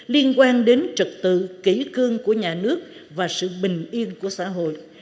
liên quan đến trật tự kỷ cương của nhà nước và sự bình yên của xã hội